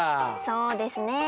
そうですね